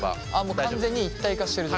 完全に一体化してる状態か。